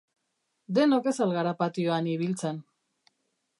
Denok ez al gara patioan ibiltzen?